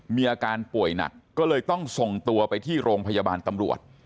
มีอาการป่วยหนักก็เลยต้องส่งตัวไปที่โรงพยาบาลตำรวจ